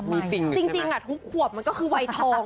มีจริงแล้วดีจริงเที่ยวทุกขวบแล้วคือวัยทอง